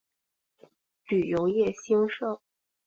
旅游业兴盛。